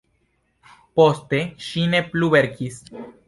Poste ŝi ne plu verkis.